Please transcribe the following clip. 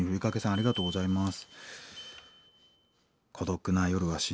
ありがとうございます。